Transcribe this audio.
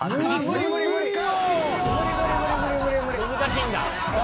難しいんだ。